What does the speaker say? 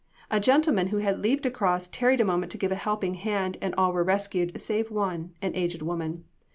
A gentleman who had leaped across tarried a moment to give a helping hand, and all were rescued, save one, an aged woman.